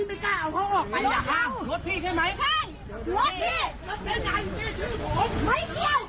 เอาของออกกันสิ